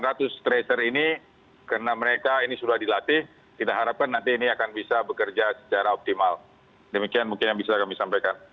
seratus tracer ini karena mereka ini sudah dilatih kita harapkan nanti ini akan bisa bekerja secara optimal demikian mungkin yang bisa kami sampaikan